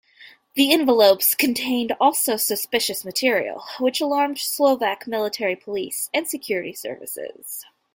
The envelopes contained also suspicious material, which alarmed Slovak military police and security services.